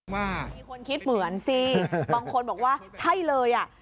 มีคนคิดเหมือนสิบางคนบอกว่าใช่เลยอ่ะ